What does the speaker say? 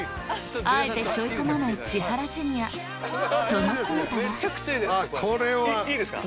あえて背負い込まない千原ジュニアその姿はいいですか？